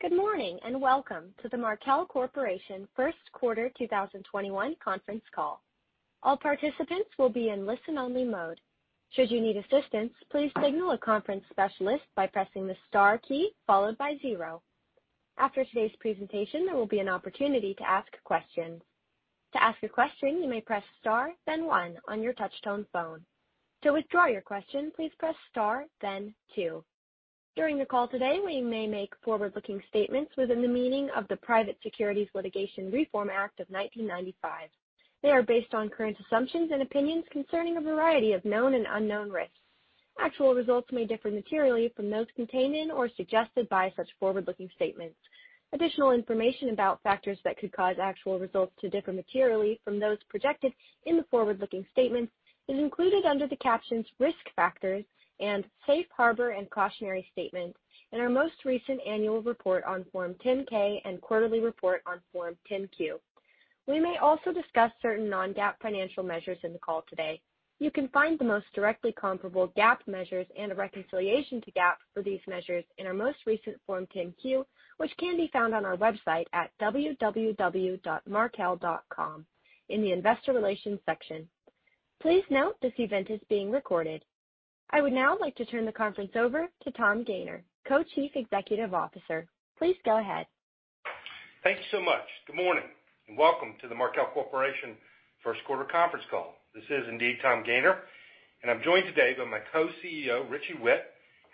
Good morning, and welcome to the Markel Corporation first quarter 2021 conference call. All participants will be in listen-only mode should you need assistance please signal a conference specialist by pressing the star key followed by zero. After today's presentation, there will be an opportunity to ask questions. To ask a question you may press star then one on your touchtone phone, to withdraw your question, please press star then two. During the call today, we may make forward-looking statements within the meaning of the Private Securities Litigation Reform Act of 1995. They are based on current assumptions and opinions concerning a variety of known and unknown risks. Actual results may differ materially from those contained in or suggested by such forward-looking statements. Additional information about factors that could cause actual results to differ materially from those projected in the forward-looking statements is included under the captions "Risk Factors" and "Safe Harbor and Cautionary Statements" in our most recent annual report on Form 10-K and quarterly report on Form 10-Q. We may also discuss certain non-GAAP financial measures in the call today. You can find the most directly comparable GAAP measures and a reconciliation to GAAP for these measures in our most recent Form 10-Q, which can be found on our website at www.markel.com in the investor relations section. Please note this event is being recorded. I would now like to turn the conference over to Tom Gayner, Co-Chief Executive Officer. Please go ahead. Thank you so much. Good morning, and welcome to the Markel Corporation first quarter conference call. This is indeed Tom Gayner, and I'm joined today by my Co-CEO, Richie Whitt,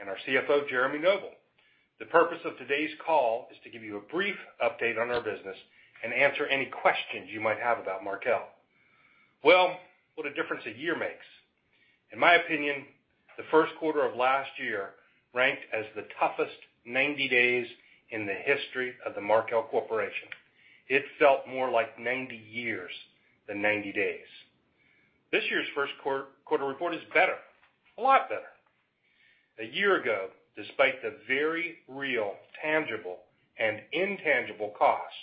and our CFO, Jeremy Noble. The purpose of today's call is to give you a brief update on our business and answer any questions you might have about Markel. Well, what a difference a year makes. In my opinion, the first quarter of last year ranked as the toughest 90 days in the history of the Markel Corporation. It felt more like 90 years than 90 days. This year's first quarter report is better. A lot better. A year ago, despite the very real tangible and intangible costs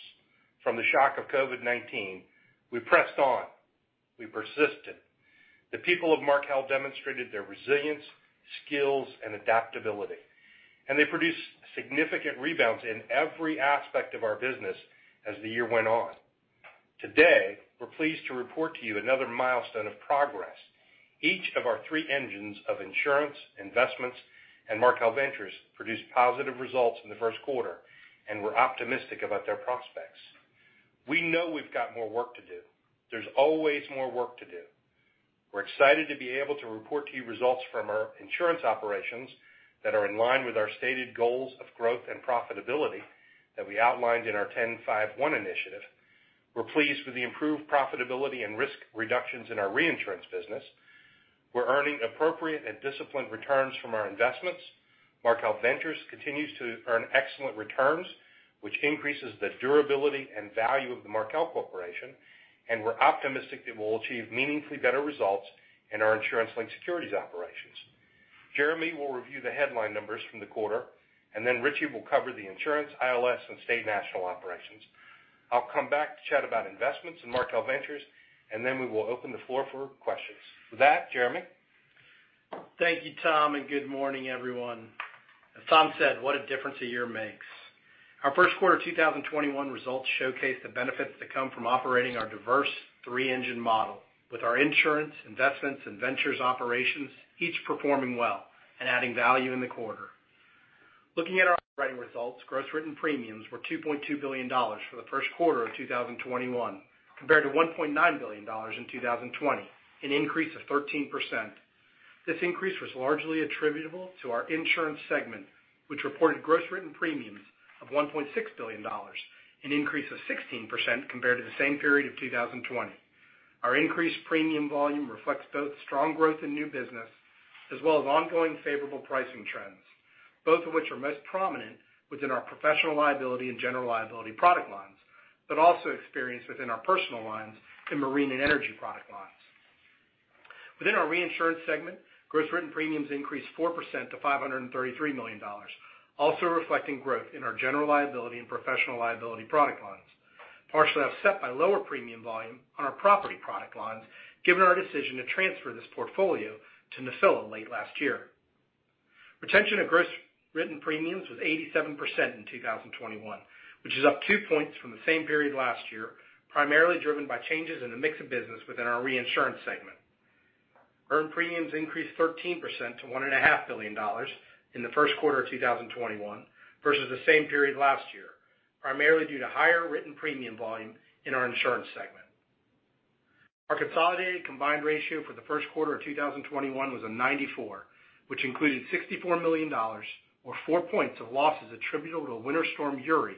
from the shock of COVID-19, we pressed on. We persisted. The people of Markel Group demonstrated their resilience, skills, and adaptability. They produced significant rebounds in every aspect of our business as the year went on. Today, we're pleased to report to you another milestone of progress. Each of our three engines of insurance, investments, and Markel Ventures produced positive results in the first quarter. We're optimistic about their prospects. We know we've got more work to do. There's always more work to do. We're excited to be able to report to you results from our insurance operations that are in line with our stated goals of growth and profitability that we outlined in our 10-5-1 initiative. We're pleased with the improved profitability and risk reductions in our reinsurance business. We're earning appropriate and disciplined returns from our investments. Markel Ventures continues to earn excellent returns, which increases the durability and value of the Markel Group. We're optimistic that we'll achieve meaningfully better results in our insurance-linked securities operations. Jeremy will review the headline numbers from the quarter. Then Richie will cover the insurance, ILS, and State National operations. I'll come back to chat about investments in Markel Ventures. Then we will open the floor for questions. With that, Jeremy? Thank you, Tom. Good morning, everyone. As Tom said, what a difference a year makes. Our first quarter 2021 results showcase the benefits that come from operating our diverse three-engine model with our insurance, investments, and ventures operations each performing well and adding value in the quarter. Looking at our underwriting results, gross written premiums were $2.2 billion for the first quarter of 2021 compared to $1.9 billion in 2020, an increase of 13%. This increase was largely attributable to our insurance segment, which reported gross written premiums of $1.6 billion, an increase of 16% compared to the same period of 2020. Our increased premium volume reflects both strong growth in new business as well as ongoing favorable pricing trends, both of which are most prominent within our professional liability and general liability product lines, but also experienced within our personal lines in marine and energy product lines. Within our reinsurance segment, gross written premiums increased 4% to $533 million, also reflecting growth in our general liability and professional liability product lines, partially offset by lower premium volume on our property product lines given our decision to transfer this portfolio to Nephila late last year. Retention of gross written premiums was 87% in 2021, which is up two points from the same period last year, primarily driven by changes in the mix of business within our reinsurance segment. Earned premiums increased 13% to $1.5 billion in the first quarter of 2021 versus the same period last year, primarily due to higher written premium volume in our insurance segment. Our consolidated combined ratio for the first quarter of 2021 was a 94, which included $64 million, or four points, of losses attributable to Winter Storm Uri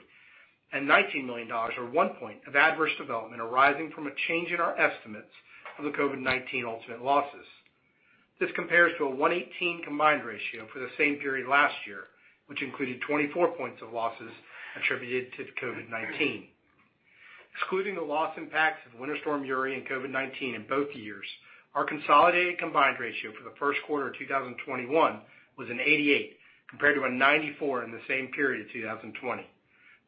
and $19 million, or one point, of adverse development arising from a change in our estimates of the COVID-19 ultimate losses. This compares to a 118 combined ratio for the same period last year, which included 24 points of losses attributed to COVID-19. Excluding the loss impacts of Winter Storm Uri and COVID-19 in both years, our consolidated combined ratio for the first quarter of 2021 was an 88 compared to a 94 in the same period of 2020.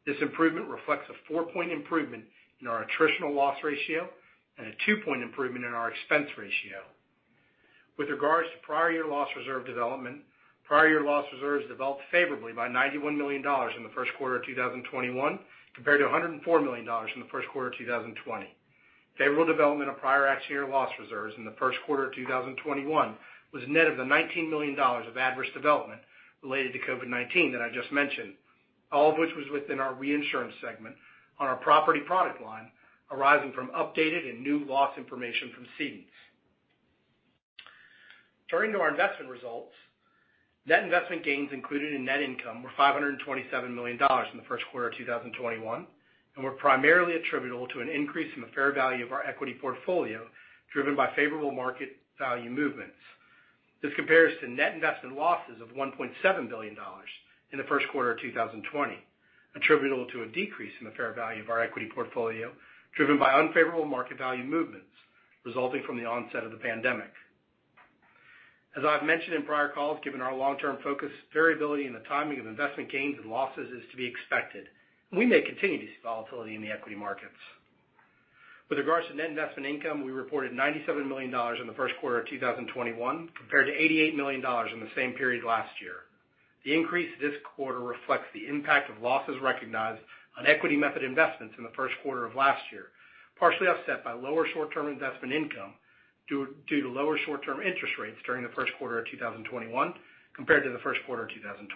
This improvement reflects a four-point improvement in our attritional loss ratio and a two-point improvement in our expense ratio. With regards to prior year loss reserve development, prior year loss reserves developed favorably by $91 million in the first quarter of 2021, compared to $104 million in the first quarter of 2020. Favorable development of prior actuary loss reserves in the first quarter of 2021 was net of the $19 million of adverse development related to COVID-19 that I just mentioned, all of which was within our reinsurance segment on our property product line, arising from updated and new loss information from cedents. Turning to our investment results. Net investment gains included in net income were $527 million in the first quarter of 2021, and were primarily attributable to an increase in the fair value of our equity portfolio, driven by favorable market value movements. This compares to net investment losses of $1.7 billion in the first quarter of 2020, attributable to a decrease in the fair value of our equity portfolio, driven by unfavorable market value movements resulting from the onset of the pandemic. As I've mentioned in prior calls, given our long-term focus, variability in the timing of investment gains and losses is to be expected, and we may continue to see volatility in the equity markets. With regards to net investment income, we reported $97 million in the first quarter of 2021, compared to $88 million in the same period last year. The increase this quarter reflects the impact of losses recognized on equity method investments in the first quarter of last year, partially offset by lower short-term investment income due to lower short-term interest rates during the first quarter of 2021 compared to the first quarter of 2020.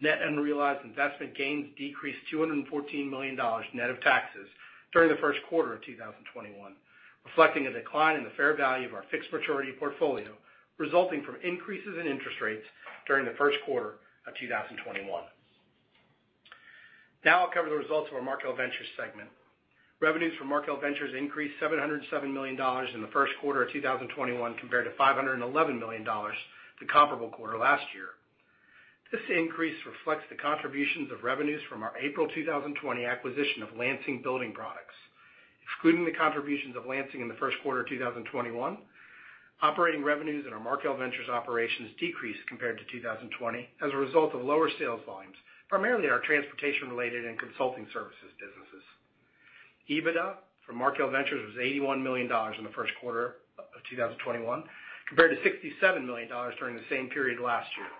Net unrealized investment gains decreased $214 million net of taxes during the first quarter of 2021, reflecting a decline in the fair value of our fixed maturity portfolio, resulting from increases in interest rates during the first quarter of 2021. I'll cover the results of our Markel Ventures segment. Revenues from Markel Ventures increased $707 million in the first quarter of 2021, compared to $511 million the comparable quarter last year. This increase reflects the contributions of revenues from our April 2020 acquisition of Lansing Building Products. Excluding the contributions of Lansing in the first quarter of 2021, operating revenues in our Markel Ventures operations decreased compared to 2020 as a result of lower sales volumes, primarily in our transportation-related and consulting services businesses. EBITDA from Markel Ventures was $81 million in the first quarter of 2021, compared to $67 million during the same period last year.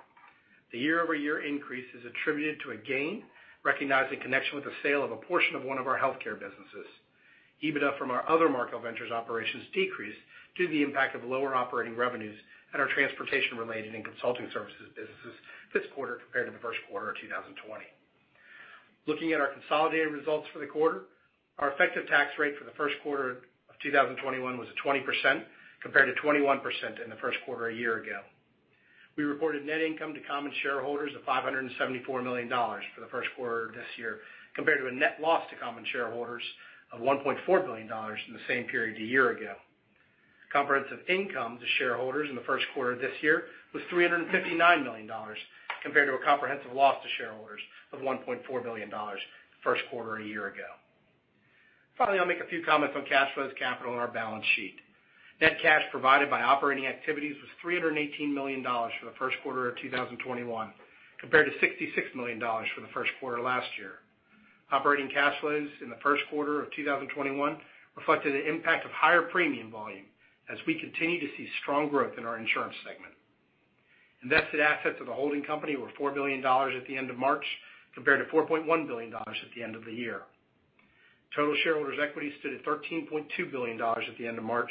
The year-over-year increase is attributed to a gain recognized in connection with the sale of a portion of one of our healthcare businesses. EBITDA from our other Markel Ventures operations decreased due to the impact of lower operating revenues at our transportation-related and consulting services businesses this quarter compared to the first quarter of 2020. Looking at our consolidated results for the quarter, our effective tax rate for the first quarter of 2021 was 20%, compared to 21% in the first quarter a year ago. We reported net income to common shareholders of $574 million for the first quarter this year, compared to a net loss to common shareholders of $1.4 billion in the same period a year ago. Comprehensive income to shareholders in the first quarter of this year was $359 million, compared to a comprehensive loss to shareholders of $1.4 billion first quarter a year ago. Finally, I'll make a few comments on cash flows, capital, and our balance sheet. Net cash provided by operating activities was $318 million for the first quarter of 2021, compared to $66 million for the first quarter last year. Operating cash flows in the first quarter of 2021 reflected an impact of higher premium volume as we continue to see strong growth in our insurance segment. Invested assets of the holding company were $4 billion at the end of March, compared to $4.1 billion at the end of the year. Total shareholders' equity stood at $13.2 billion at the end of March,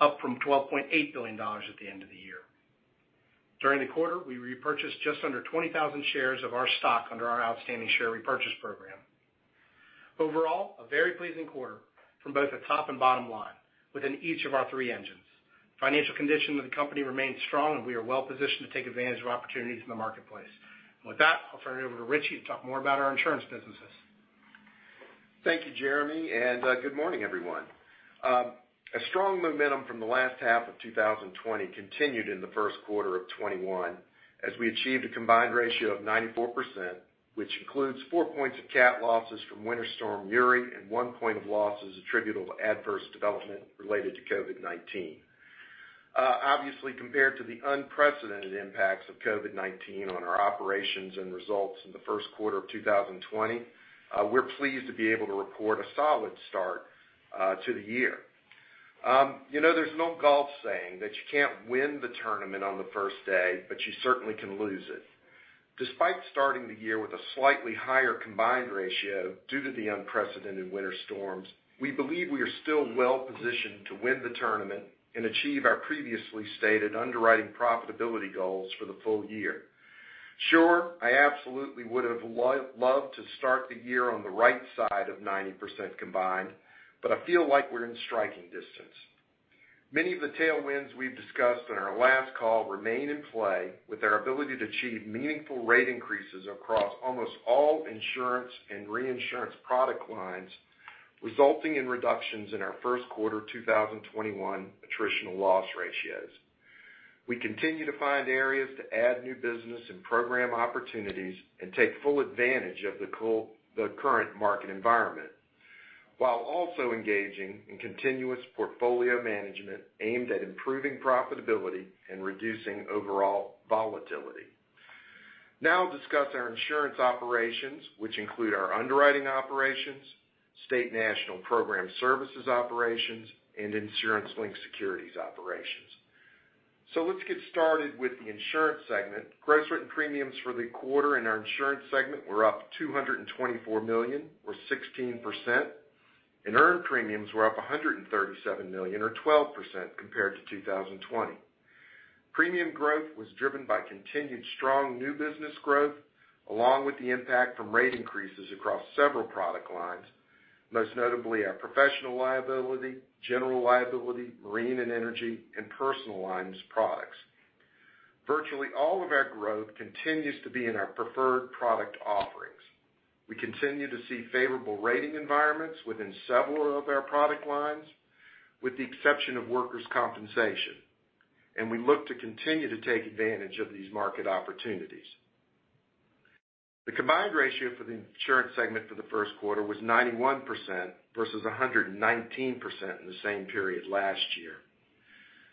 up from $12.8 billion at the end of the year. During the quarter, we repurchased just under 20,000 shares of our stock under our outstanding share repurchase program. Overall, a very pleasing quarter from both the top and bottom line within each of our three engines. Financial condition of the company remains strong, and we are well positioned to take advantage of opportunities in the marketplace. With that, I'll turn it over to Richie to talk more about our insurance businesses. Thank you, Jeremy, and good morning, everyone. A strong momentum from the last half of 2020 continued in the first quarter of 2021 as we achieved a combined ratio of 94%, which includes four points of cat losses from Winter Storm Uri and one point of losses attributable to adverse development related to COVID-19. Obviously, compared to the unprecedented impacts of COVID-19 on our operations and results in the first quarter of 2020, we're pleased to be able to report a solid start to the year. There's an old golf saying that you can't win the tournament on the first day, but you certainly can lose it. Despite starting the year with a slightly higher combined ratio due to the unprecedented winter storms, we believe we are still well-positioned to win the tournament and achieve our previously stated underwriting profitability goals for the full year. Sure, I absolutely would have loved to start the year on the right side of 90% combined, but I feel like we're in striking distance. Many of the tailwinds we've discussed on our last call remain in play with our ability to achieve meaningful rate increases across almost all insurance and reinsurance product lines, resulting in reductions in our first quarter 2021 attritional loss ratios. We continue to find areas to add new business and program opportunities and take full advantage of the current market environment, while also engaging in continuous portfolio management aimed at improving profitability and reducing overall volatility. I'll discuss our insurance operations, which include our underwriting operations, State National program services operations, and Insurance-Linked Securities operations. Let's get started with the insurance segment. Gross written premiums for the quarter in our insurance segment were up $224 million, or 16%, and earned premiums were up $137 million or 12% compared to 2020. Premium growth was driven by continued strong new business growth along with the impact from rate increases across several product lines, most notably our professional liability, general liability, marine and energy, and personal lines products. Virtually all of our growth continues to be in our preferred product offerings. We continue to see favorable rating environments within several of our product lines, with the exception of workers' compensation. We look to continue to take advantage of these market opportunities. The combined ratio for the insurance segment for the first quarter was 91% versus 119% in the same period last year.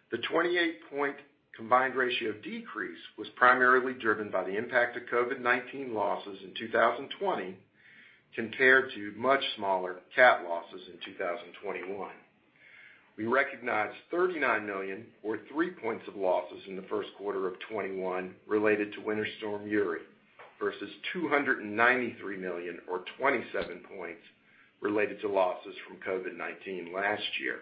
The 28-point combined ratio decrease was primarily driven by the impact of COVID-19 losses in 2020 compared to much smaller cat losses in 2021. We recognized $39 million or three points of losses in the first quarter of 2021 related to Winter Storm Uri, versus $293 million or 27 points related to losses from COVID-19 last year.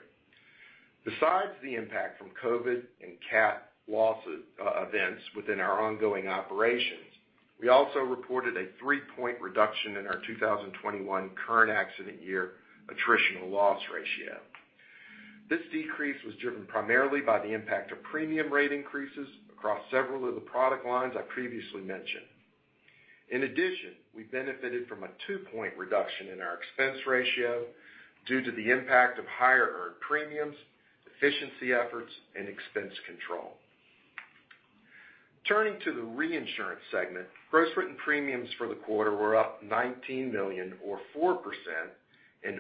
Besides the impact from COVID and cat loss events within our ongoing operations, we also reported a 3-point reduction in our 2021 current accident year attritional loss ratio. This decrease was driven primarily by the impact of premium rate increases across several of the product lines I previously mentioned. In addition, we benefited from a two-point reduction in our expense ratio due to the impact of higher earned premiums, efficiency efforts and expense control. Turning to the reinsurance segment, gross written premiums for the quarter were up $19 million or 4%,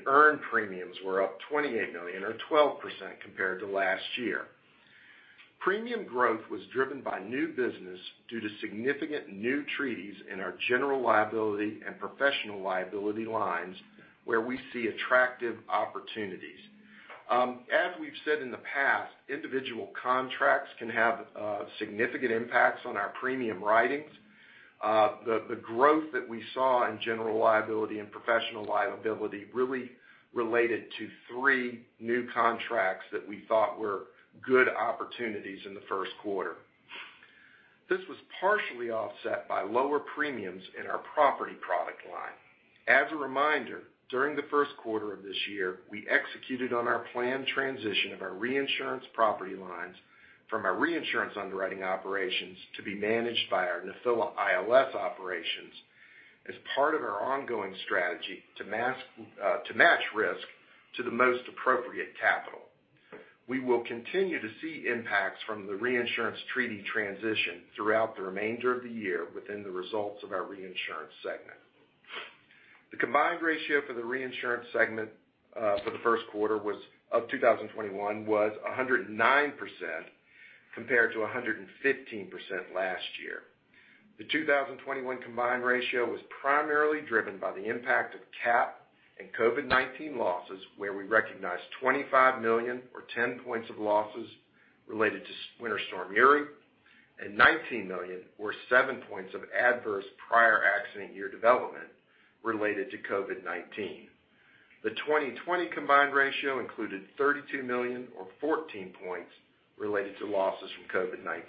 earned premiums were up $28 million or 12% compared to last year. Premium growth was driven by new business due to significant new treaties in our general liability and professional liability lines, where we see attractive opportunities. As we've said in the past, individual contracts can have significant impacts on our premium writings. The growth that we saw in general liability and professional liability really related to three new contracts that we thought were good opportunities in the first quarter. This was partially offset by lower premiums in our property product line. As a reminder, during the first quarter of this year, we executed on our planned transition of our reinsurance property lines from our reinsurance underwriting operations to be managed by our Nephila ILS operations as part of our ongoing strategy to match risk to the most appropriate capital. We will continue to see impacts from the reinsurance treaty transition throughout the remainder of the year within the results of our reinsurance segment. The combined ratio for the reinsurance segment for the first quarter of 2021 was 109% compared to 115% last year. The 2021 combined ratio was primarily driven by the impact of cat and COVID-19 losses, where we recognized $25 million or 10 points of losses related to Winter Storm Uri, and $19 million or seven points of adverse prior accident year development related to COVID-19. The 2020 combined ratio included $32 million or 14 points related to losses from COVID-19.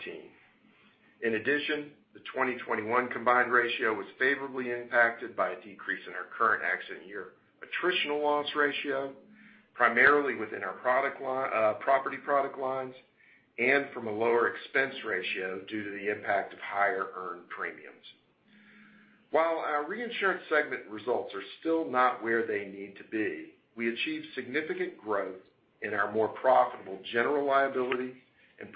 In addition, the 2021 combined ratio was favorably impacted by a decrease in our current accident year attritional loss ratio, primarily within our property product lines, and from a lower expense ratio due to the impact of higher earned premiums. While our reinsurance segment results are still not where they need to be, we achieved significant growth in our more profitable general liability and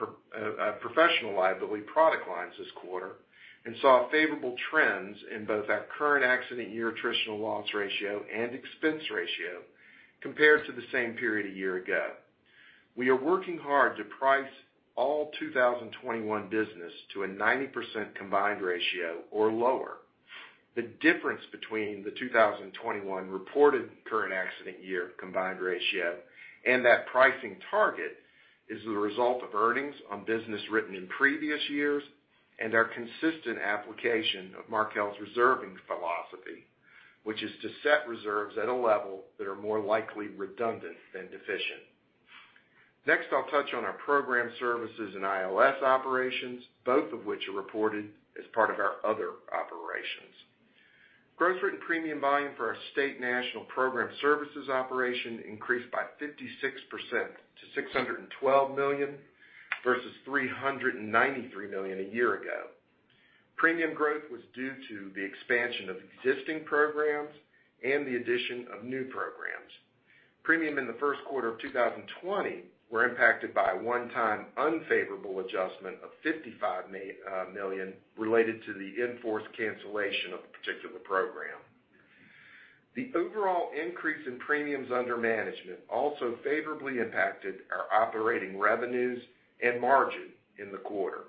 professional liability product lines this quarter and saw favorable trends in both our current accident year attritional loss ratio and expense ratio compared to the same period a year ago. We are working hard to price all 2021 business to a 90% combined ratio or lower. The difference between the 2021 reported current accident year combined ratio and that pricing target is the result of earnings on business written in previous years and our consistent application of Markel's reserving philosophy, which is to set reserves at a level that are more likely redundant than deficient. Next, I'll touch on our program services and ILS operations, both of which are reported as part of our other operations. Gross written premium volume for our State National program services operation increased by 56% to $612 million versus $393 million a year ago. Premium growth was due to the expansion of existing programs and the addition of new programs. Premium in the first quarter of 2020 were impacted by a one-time unfavorable adjustment of $55 million related to the in-force cancellation of a particular program. The overall increase in premiums under management also favorably impacted our operating revenues and margin in the quarter.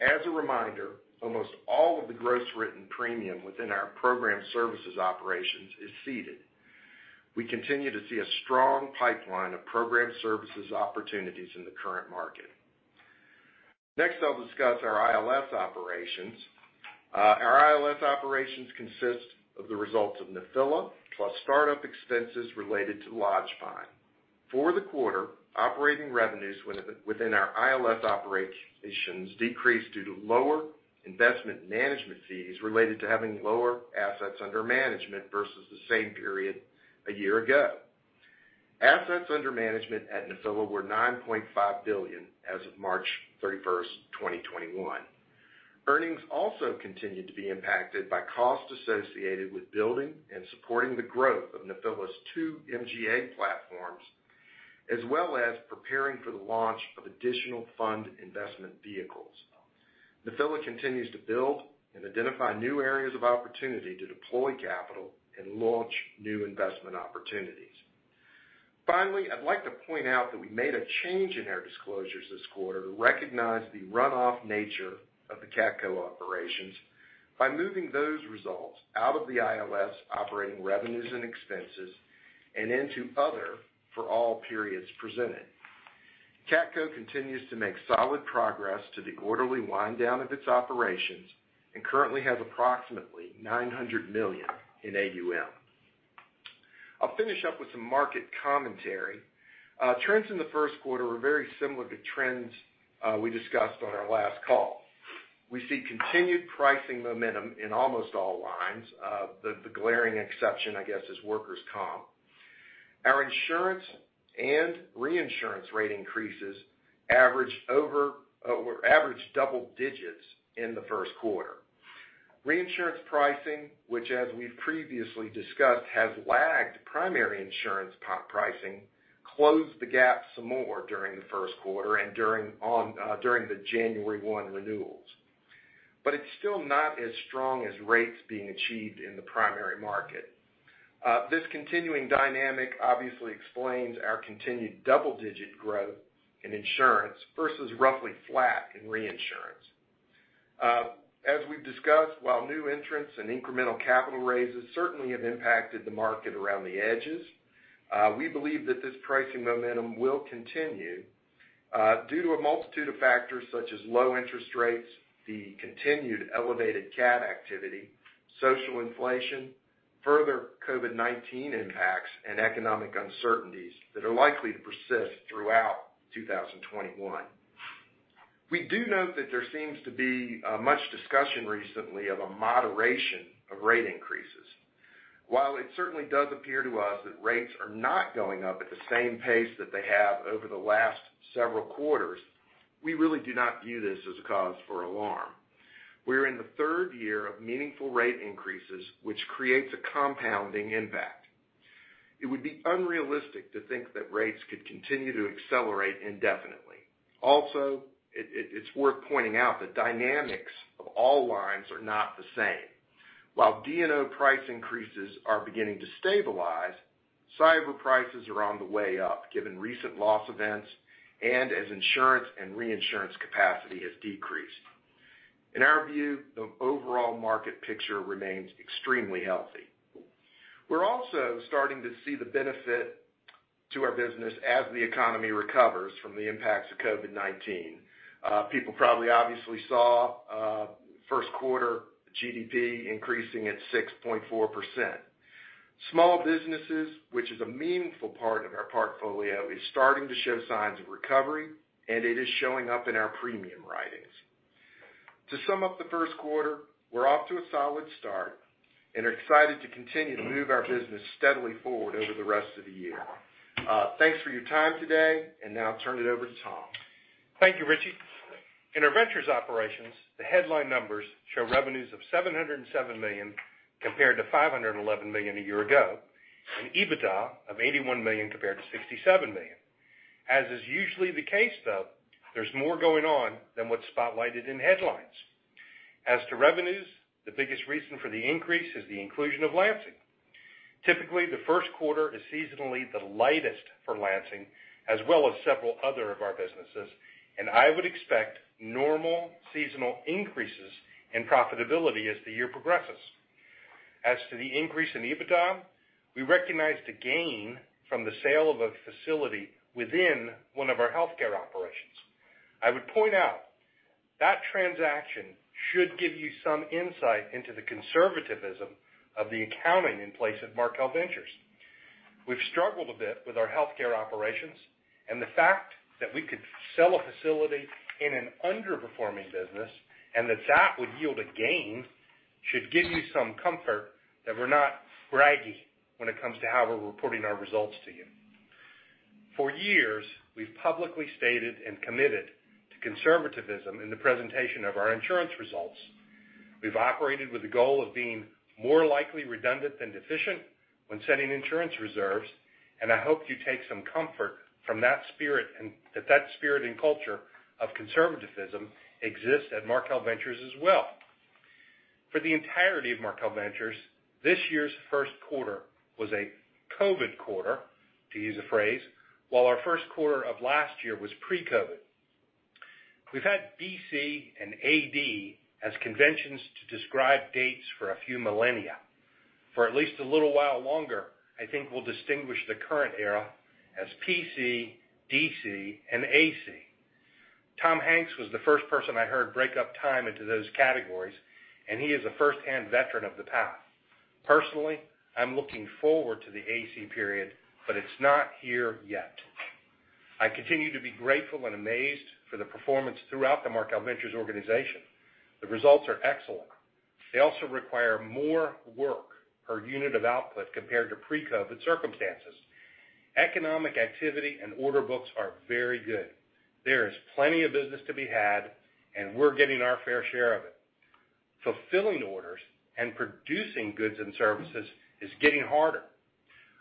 As a reminder, almost all of the gross written premium within our program services operations is ceded. We continue to see a strong pipeline of program services opportunities in the current market. Next, I'll discuss our ILS operations. Our ILS operations consist of the results of Nephila plus startup expenses related to Lodgepine. For the quarter, operating revenues within our ILS operations decreased due to lower investment management fees related to having lower assets under management versus the same period a year ago. Assets under management at Nephila were $9.5 billion as of March 31st, 2021. Earnings also continued to be impacted by costs associated with building and supporting the growth of Nephila's two MGA platforms, as well as preparing for the launch of additional fund investment vehicles. Nephila continues to build and identify new areas of opportunity to deploy capital and launch new investment opportunities. Finally, I'd like to point out that we made a change in our disclosures this quarter to recognize the runoff nature of the CATCo operations by moving those results out of the ILS operating revenues and expenses and into other for all periods presented. CATCo continues to make solid progress to the orderly wind down of its operations and currently has approximately $900 million in AUM. I'll finish up with some market commentary. Trends in the first quarter were very similar to trends we discussed on our last call. We see continued pricing momentum in almost all lines. The glaring exception, I guess, is workers' comp. Our insurance and reinsurance rate increases averaged double digits in the first quarter. Reinsurance pricing, which as we've previously discussed, has lagged primary insurance pricing, closed the gap some more during the first quarter and during the January 1 renewals. It's still not as strong as rates being achieved in the primary market. This continuing dynamic obviously explains our continued double-digit growth in insurance versus roughly flat in reinsurance. As we've discussed, while new entrants and incremental capital raises certainly have impacted the market around the edges, we believe that this pricing momentum will continue due to a multitude of factors such as low interest rates, the continued elevated cat activity, social inflation, further COVID-19 impacts, and economic uncertainties that are likely to persist throughout 2021. We do note that there seems to be much discussion recently of a moderation of rate increases. While it certainly does appear to us that rates are not going up at the same pace that they have over the last several quarters, we really do not view this as a cause for alarm. We are in the third year of meaningful rate increases, which creates a compounding impact. It would be unrealistic to think that rates could continue to accelerate indefinitely. Also, it's worth pointing out the dynamics of all lines are not the same. While D&O price increases are beginning to stabilize, cyber prices are on the way up given recent loss events and as insurance and reinsurance capacity has decreased. In our view, the overall market picture remains extremely healthy. We're also starting to see the benefit to our business as the economy recovers from the impacts of COVID-19. People probably obviously saw first quarter GDP increasing at 6.4%. Small businesses, which is a meaningful part of our portfolio, is starting to show signs of recovery, and it is showing up in our premium writings. To sum up the first quarter, we're off to a solid start and are excited to continue to move our business steadily forward over the rest of the year. Thanks for your time today, and now I'll turn it over to Tom. Thank you, Richie. In our Ventures operations, the headline numbers show revenues of $707 million compared to $511 million a year ago, and EBITDA of $81 million compared to $67 million. As is usually the case, though, there's more going on than what's spotlighted in headlines. As to revenues, the biggest reason for the increase is the inclusion of Lansing. Typically, the first quarter is seasonally the lightest for Lansing, as well as several other of our businesses, and I would expect normal seasonal increases in profitability as the year progresses. As to the increase in EBITDA, we recognized a gain from the sale of a facility within one of our healthcare operations. I would point out that transaction should give you some insight into the conservativism of the accounting in place at Markel Ventures. We've struggled a bit with our healthcare operations, the fact that we could sell a facility in an underperforming business and that would yield a gain should give you some comfort that we're not braggy when it comes to how we're reporting our results to you. For years, we've publicly stated and committed to conservativism in the presentation of our insurance results. We've operated with the goal of being more likely redundant than deficient when setting insurance reserves, I hope you take some comfort that that spirit and culture of conservativism exists at Markel Ventures as well. For the entirety of Markel Ventures, this year's first quarter was a COVID quarter, to use a phrase, while our first quarter of last year was pre-COVID. We've had BC and AD as conventions to describe dates for a few millennia. For at least a little while longer, I think we'll distinguish the current era as PC, DC, and AC. Tom Hanks was the first person I heard break up time into those categories. He is a firsthand veteran of the path. Personally, I'm looking forward to the AC period. It's not here yet. I continue to be grateful and amazed for the performance throughout the Markel Ventures organization. The results are excellent. They also require more work per unit of output compared to pre-COVID circumstances. Economic activity and order books are very good. There is plenty of business to be had. We're getting our fair share of it. Fulfilling orders and producing goods and services is getting harder.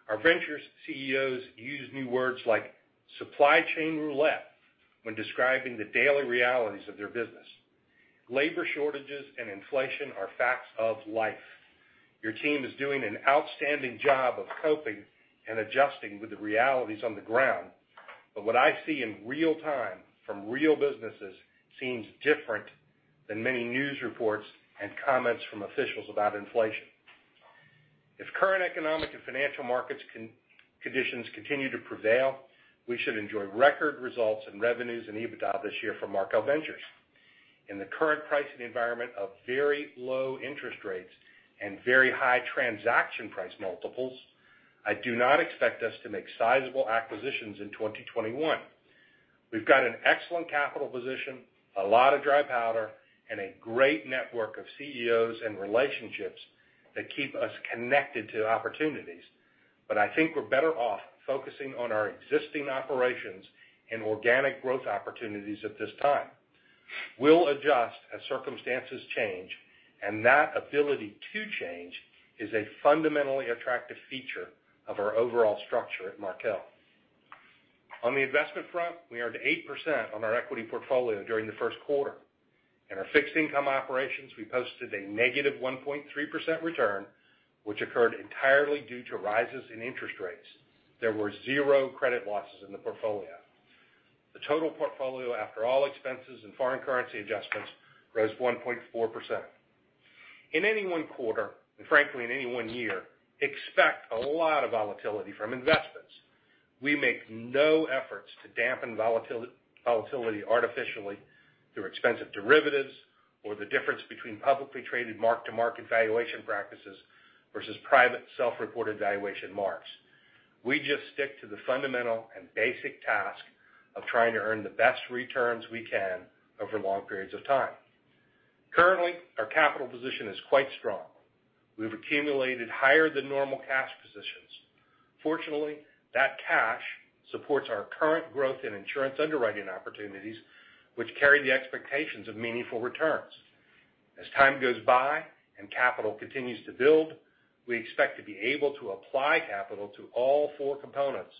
Our ventures CEOs use new words like supply chain roulette when describing the daily realities of their business. Labor shortages and inflation are facts of life. Your team is doing an outstanding job of coping and adjusting with the realities on the ground, but what I see in real time from real businesses seems different than many news reports and comments from officials about inflation. If current economic and financial markets conditions continue to prevail, we should enjoy record results in revenues and EBITDA this year from Markel Ventures. In the current pricing environment of very low interest rates and very high transaction price multiples, I do not expect us to make sizable acquisitions in 2021. We've got an excellent capital position, a lot of dry powder, and a great network of CEOs and relationships that keep us connected to opportunities. I think we're better off focusing on our existing operations and organic growth opportunities at this time. We'll adjust as circumstances change, and that ability to change is a fundamentally attractive feature of our overall structure at Markel. On the investment front, we earned 8% on our equity portfolio during the first quarter. In our fixed income operations, we posted a negative 1.3% return, which occurred entirely due to rises in interest rates. There were zero credit losses in the portfolio. The total portfolio, after all expenses and foreign currency adjustments, rose 1.4%. In any one quarter, and frankly, in any one year, expect a lot of volatility from investments. We make no efforts to dampen volatility artificially through expensive derivatives or the difference between publicly traded mark-to-market valuation practices versus private self-reported valuation marks. We just stick to the fundamental and basic task of trying to earn the best returns we can over long periods of time. Currently, our capital position is quite strong. We've accumulated higher than normal cash positions. Fortunately, that cash supports our current growth in insurance underwriting opportunities, which carry the expectations of meaningful returns. As time goes by and capital continues to build, we expect to be able to apply capital to all four components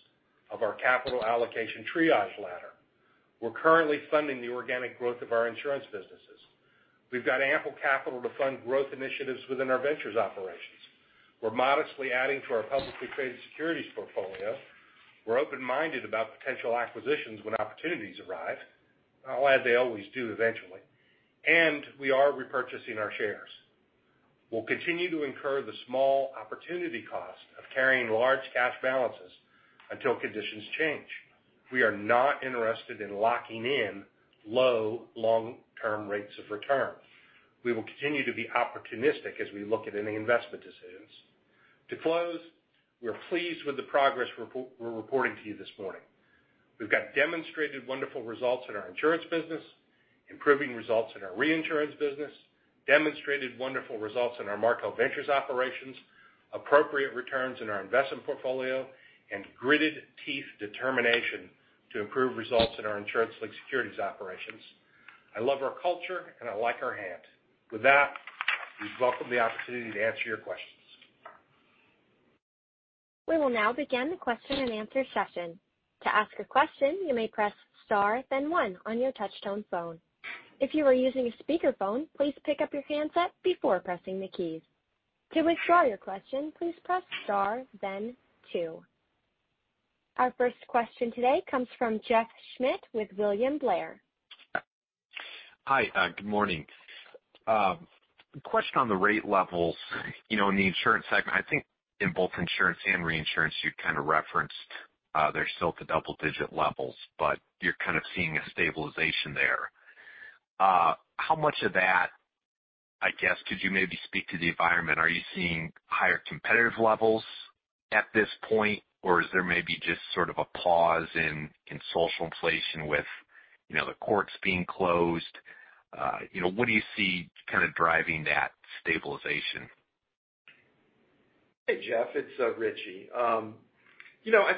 of our capital allocation triage ladder. We're currently funding the organic growth of our insurance businesses. We've got ample capital to fund growth initiatives within our Ventures operations. We're modestly adding to our publicly traded securities portfolio. We're open-minded about potential acquisitions when opportunities arise, as they always do eventually, and we are repurchasing our shares. We'll continue to incur the small opportunity cost of carrying large cash balances until conditions change. We are not interested in locking in low long-term rates of return. We will continue to be opportunistic as we look at any investment decisions. To close, we are pleased with the progress we're reporting to you this morning. We've got demonstrated wonderful results in our insurance business, improving results in our reinsurance business, demonstrated wonderful results in our Markel Ventures operations, appropriate returns in our investment portfolio, and gritted teeth determination to improve results in our insurance-linked securities operations. I love our culture, and I like our hand. With that, we welcome the opportunity to answer your questions. We will now begin the question and answer session. To ask a question, you may press star then one on your touchtone phone if you are using a speaker phone please pick up your handset before pressing the key. To withdraw your question, please press star then two. Our first question today comes from Jeff Schmitt with William Blair. Hi, good morning. Question on the rate levels. In the insurance segment, I think in both insurance and reinsurance, you kind of referenced they're still at the double-digit levels, but you're kind of seeing a stabilization there. How much of that, I guess, could you maybe speak to the environment? Are you seeing higher competitive levels at this point, or is there maybe just sort of a pause in social inflation with the courts being closed? What do you see kind of driving that stabilization? Hey, Jeff. It's Richie. I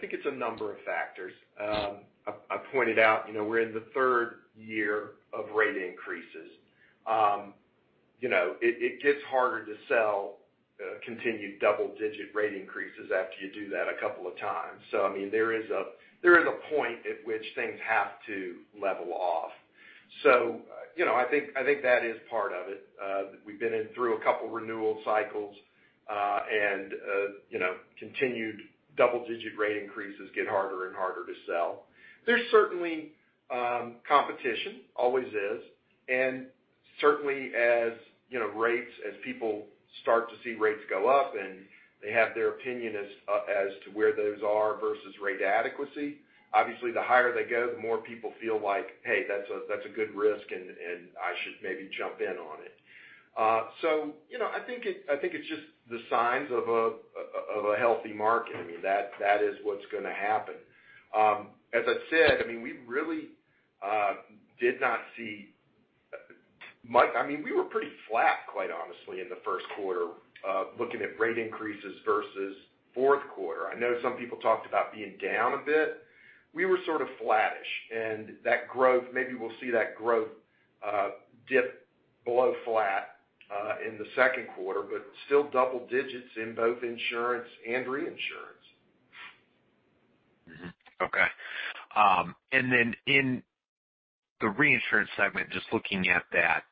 think it's a number of factors. I pointed out, we're in the third year of rate increases. It gets harder to sell continued double-digit rate increases after you do that a couple of times. There is a point at which things have to level off. I think that is part of it. We've been in through a couple renewal cycles, continued double-digit rate increases get harder and harder to sell. There's certainly competition, always is. Certainly as people start to see rates go up, and they have their opinion as to where those are versus rate adequacy, obviously the higher they go, the more people feel like, "Hey, that's a good risk, and I should maybe jump in on it." I think it's just the signs of a healthy market. That is what's going to happen. As I said, we were pretty flat, quite honestly, in the first quarter, looking at rate increases versus fourth quarter. I know some people talked about being down a bit. We were sort of flattish, and maybe we'll see that growth dip below flat in the second quarter, but still double digits in both insurance and reinsurance. Okay. In the reinsurance segment, just looking at that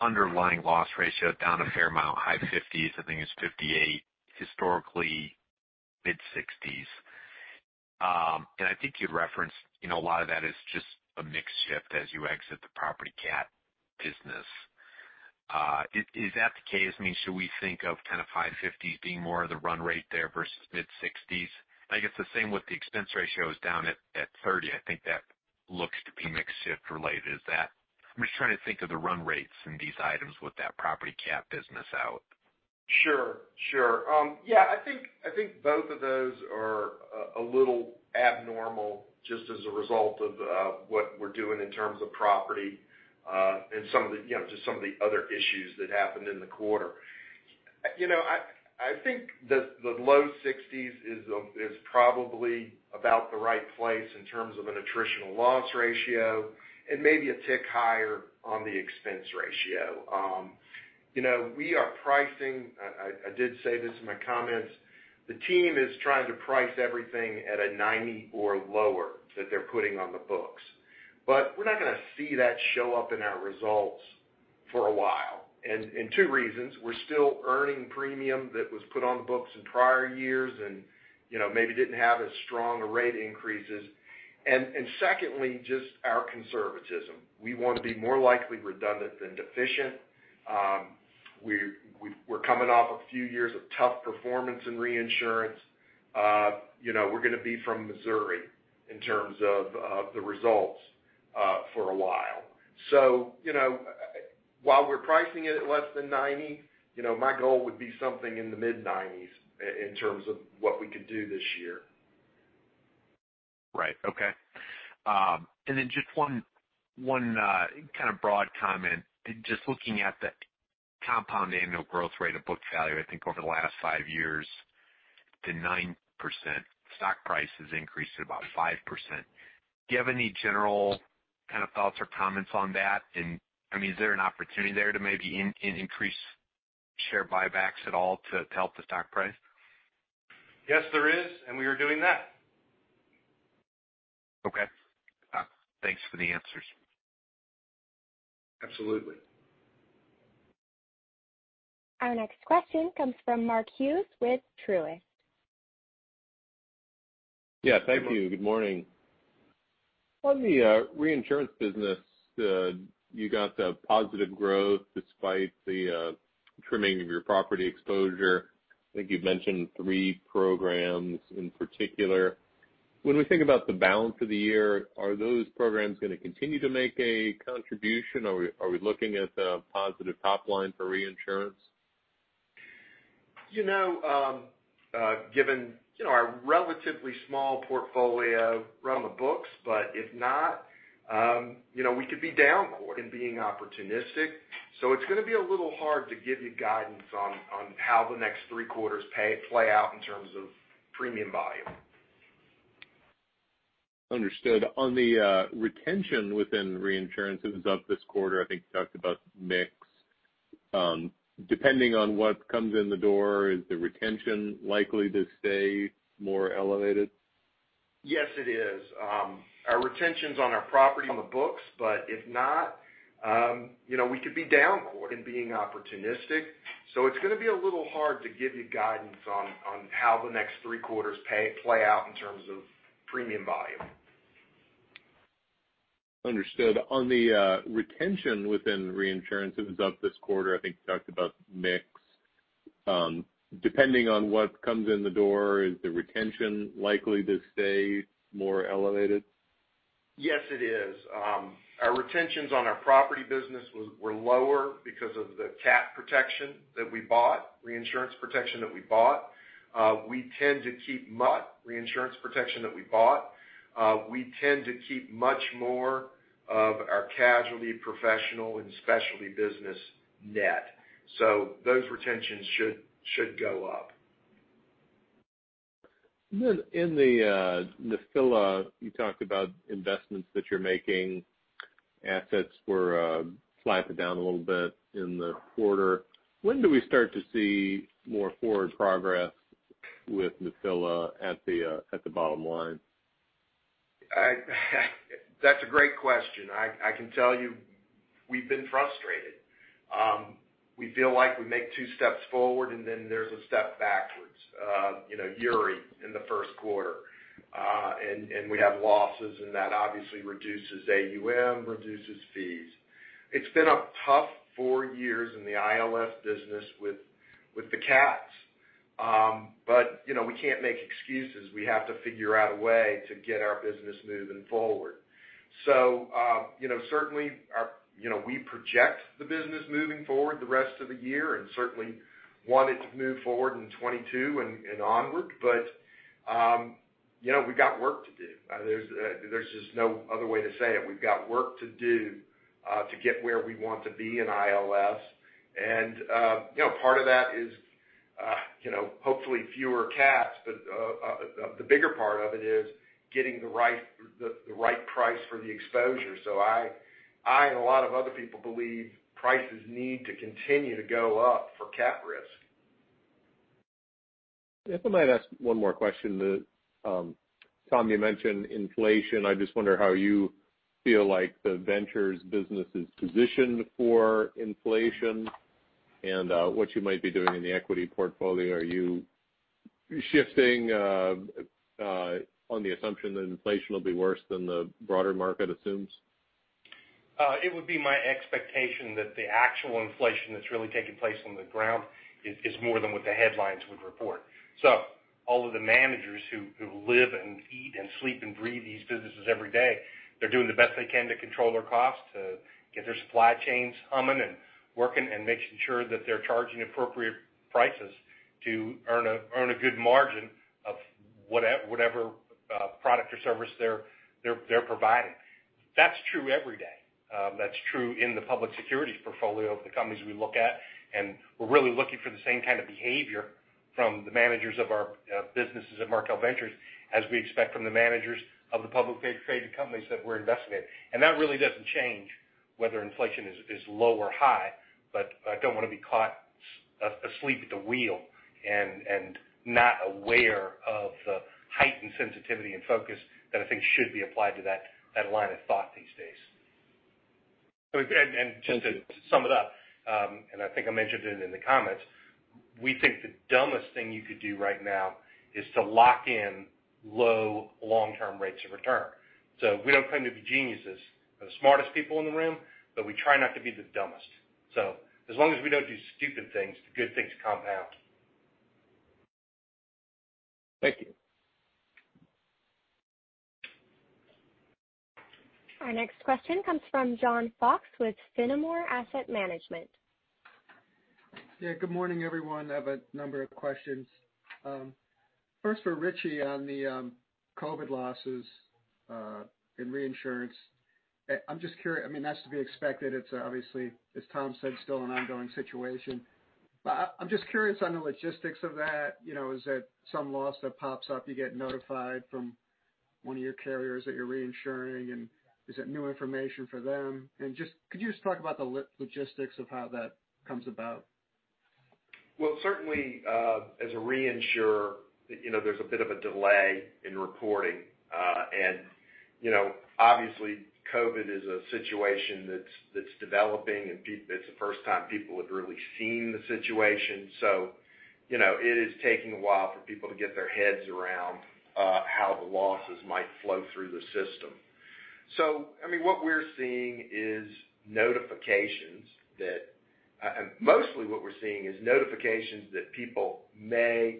underlying loss ratio down a fair amount, high 50s, I think it's 58%, historically mid-60s. I think you'd referenced a lot of that is just a mix shift as you exit the property cat business. Is that the case? Should we think of kind of high 50s being more of the run rate there versus mid-60s? I guess the same with the expense ratio is down at 30%. I think that looks to be mix shift related. I'm just trying to think of the run rates in these items with that property cat business out. Sure. Yeah, I think both of those are a little abnormal just as a result of what we're doing in terms of property, and just some of the other issues that happened in the quarter. I think the low 60s is probably about the right place in terms of an attritional loss ratio and maybe a tick higher on the expense ratio. We are pricing, I did say this in my comments, the team is trying to price everything at a 90 or lower that they're putting on the books. We're not going to see that show up in our results for a while. Two reasons, we're still earning premium that was put on the books in prior years and maybe didn't have as strong a rate increases. Secondly, just our conservatism. We want to be more likely redundant than deficient. We're coming off a few years of tough performance in reinsurance. We're going to be from Missouri in terms of the results for a while. While we're pricing it at less than 90, my goal would be something in the mid-90s in terms of what we can do this year. Right. Okay. Just one kind of broad comment. Just looking at the compound annual growth rate of book value, I think, over the last five years to 9%, stock price has increased at about 5%. Do you have any general kind of thoughts or comments on that? Is there an opportunity there to maybe increase share buybacks at all to help the stock price? Yes, there is, and we are doing that. Okay. Thanks for the answers. Absolutely. Our next question comes from Mark Hughes with Truist. Yeah. Thank you. Good morning. On the reinsurance business, you got the positive growth despite the trimming of your property exposure. I think you've mentioned three programs in particular. When we think about the balance of the year, are those programs going to continue to make a contribution? Are we looking at a positive top line for reinsurance? Given our relatively small portfolio we're on the books, but if not, we could be down in being opportunistic. It's going to be a little hard to give you guidance on how the next three quarters play out in terms of premium volume. Understood. On the retention within reinsurance, it was up this quarter, I think you talked about mix. Depending on what comes in the door, is the retention likely to stay more elevated? Yes, it is. Our retentions on our property on the books, but if not, we could be down in being opportunistic. It's going to be a little hard to give you guidance on how the next three quarters play out in terms of premium volume. Understood. On the retention within reinsurance, it was up this quarter, I think you talked about mix. Depending on what comes in the door, is the retention likely to stay more elevated? Yes, it is. Our retentions on our property business were lower because of the cat protection that we bought, reinsurance protection that we bought. We tend to keep much more of our casualty professional and specialty business net. Those retentions should go up. In the Nephila, you talked about investments that you're making, assets were slipping down a little bit in the quarter. When do we start to see more forward progress with Nephila at the bottom line? That's a great question. I can tell you, we've been frustrated. We feel like we make two steps forward, there's a step backwards. Uri, in the first quarter. We have losses and that obviously reduces AUM, reduces fees. It's been a tough four years in the ILS business with the cats. We can't make excuses. We have to figure out a way to get our business moving forward. Certainly, we project the business moving forward the rest of the year, and certainly want it to move forward in 2022 and onward. We got work to do. There's just no other way to say it. We've got work to do to get where we want to be in ILS. Part of that is hopefully fewer cats, but the bigger part of it is getting the right price for the exposure. I, and a lot of other people believe prices need to continue to go up for cat risk. If I might ask one more question. Tom, you mentioned inflation. I just wonder how you feel like the Ventures business is positioned for inflation and what you might be doing in the equity portfolio. Are you shifting on the assumption that inflation will be worse than the broader market assumes? It would be my expectation that the actual inflation that's really taking place on the ground is more than what the headlines would report. All of the managers who live and eat and sleep and breathe these businesses every day, they're doing the best they can to control their costs, to get their supply chains humming and working, and making sure that they're charging appropriate prices to earn a good margin of whatever product or service they're providing. That's true every day. That's true in the public securities portfolio of the companies we look at, and we're really looking for the same kind of behavior from the managers of our businesses at Markel Ventures as we expect from the managers of the public traded companies that we're investing in. That really doesn't change whether inflation is low or high. I don't want to be caught asleep at the wheel and not aware of the heightened sensitivity and focus that I think should be applied to that line of thought these days. Just to sum it up, and I think I mentioned it in the comments, we think the dumbest thing you could do right now is to lock in low long-term rates of return. We don't claim to be geniuses or the smartest people in the room, but we try not to be the dumbest. As long as we don't do stupid things, the good things compound. Thank you. Our next question comes from John Fox with Fenimore Asset Management. Good morning, everyone. I have a number of questions. First for Richie on the COVID losses in reinsurance. I'm just curious, that's to be expected. It's obviously, as Tom said, still an ongoing situation. I'm just curious on the logistics of that. Is that some loss that pops up, you get notified from one of your carriers that you're reinsuring, and is it new information for them? Could you just talk about the logistics of how that comes about? Well, certainly, as a reinsurer, there's a bit of a delay in reporting. Obviously COVID is a situation that's developing, and it's the first time people have really seen the situation. It is taking a while for people to get their heads around how the losses might flow through the system. What we're seeing is mostly notifications that people may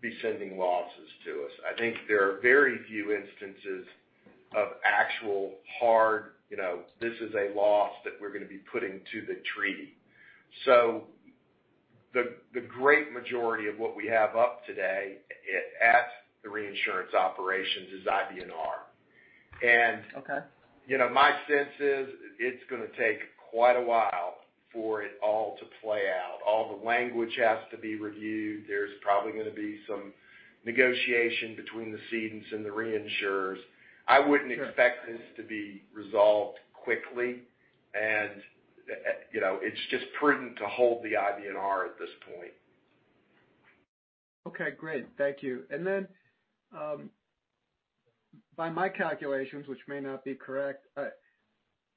be sending losses to us. I think there are very few instances of actual hard, this is a loss that we're going to be putting to the treaty. The great majority of what we have up today at the reinsurance operations is IBNR. Okay. My sense is it's going to take quite a while for it all to play out. All the language has to be reviewed. There's probably going to be some negotiation between the cedents and the reinsurers. I wouldn't expect this to be resolved quickly. It's just prudent to hold the IBNR at this point. Okay, great. Thank you. By my calculations, which may not be correct,